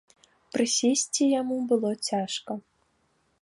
Прысесці яму было цяжка.